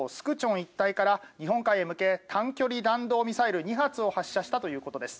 一帯から日本海へ向け短距離弾道ミサイル２発を発射したということです。